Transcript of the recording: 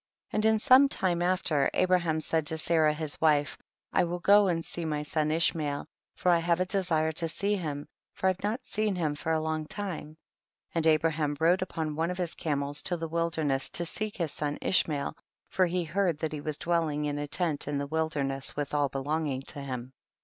22. And in some time after, Abra ham said to Sarah his wife, I will go and see my son Ishmael, for I have a desire to see him, for I have not seen him for a long time. 23. And Abraham rode upon one of his camels to the wilderness to seek his son Ishmael, for he heard that he was dwelling in a tent in the wilderness with all belonffin^ to him.